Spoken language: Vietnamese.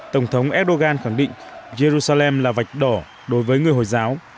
tổng thống erdogan khẳng định jerusalem là vạch đỏ đối với người hồi giáo